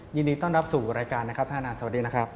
ยินดีต้อนรับสู่รายการนะครับท่านอาจารย์สวัสดีนะครับ